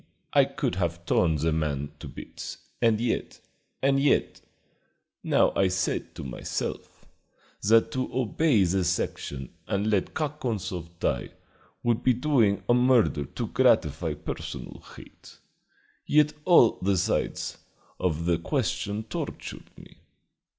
I could have torn the man to bits, and yet and yet now I said to myself that to obey the Section and let Kakonzoff die would be doing a murder to gratify personal hate. Yet all the sides of the question tortured me.